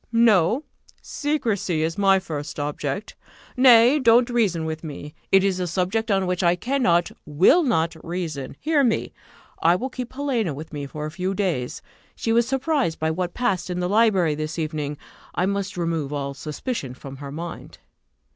"No, secrecy is my first object. Nay, do not reason with me; it is a subject on which I cannot, will not, reason. Hear me I will keep Helena with me for a few days; she was surprised by what passed in the library this evening I must remove all suspicion from her mind."